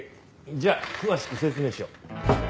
じゃあ詳しく説明しよう。